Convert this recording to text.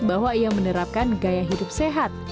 bahwa ia menerapkan gaya hidup sehat